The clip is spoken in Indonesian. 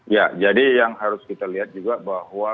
ya jadi yang harus kita lihat juga bahwa